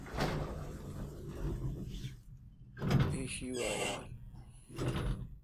ایشی وی یال۔